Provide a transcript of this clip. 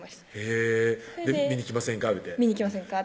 へぇ「見に来ませんか？」